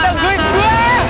dek tungguin gue